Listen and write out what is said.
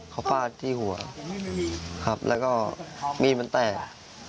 เขาฟาดที่หัวครับแล้วก็มีดมันแตก